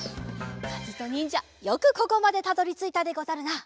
かずとにんじゃよくここまでたどりついたでござるな。